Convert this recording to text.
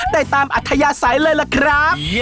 ได้ตามอัธยาศัยเลยล่ะครับ